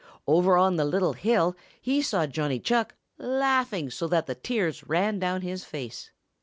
Over on the little hill he saw Johnny Chuck laughing so that the tears ran down his face.